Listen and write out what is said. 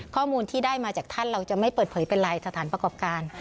ข้อมูลที่ได้มาจากท่านเราจะไม่เปิดเผยเป็นลายสถานประกอบการ